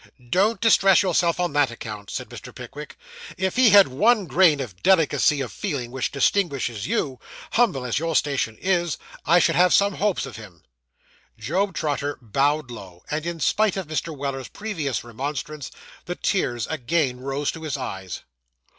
'Don't distress yourself on that account,' said Mr. Pickwick; 'if he had one grain of the delicacy of feeling which distinguishes you, humble as your station is, I should have some hopes of him.' Job Trotter bowed low; and in spite of Mr. Weller's previous remonstrance, the tears again rose to his eyes.